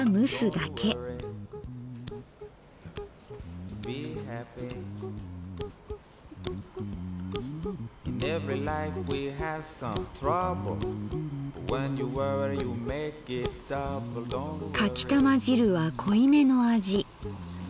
「かきたま汁は濃い目の味。